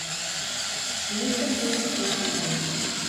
Lekin u isbot qilolmadi